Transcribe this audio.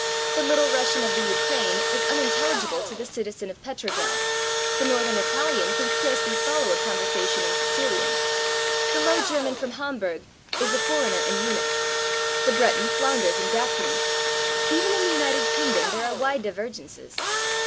The Little Russian of the Ukraine is unintelligible to the citizen of Petrograd; [Pg021] the Northern Italian can scarcely follow a conversation in Sicilian; the Low German from Hamburg is a foreigner in Munich; the Breton flounders in Gascony. Even in the United Kingdom there are wide divergences.